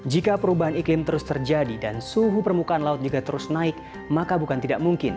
jika perubahan iklim terus terjadi dan suhu permukaan laut juga terus naik maka bukan tidak mungkin